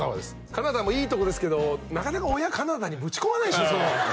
カナダもいいとこですけどなかなか親カナダにぶち込まないでしょ